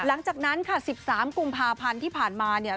หลังจากนั้นค่ะ๑๓กุมภาพันธ์ที่ผ่านมาเนี่ย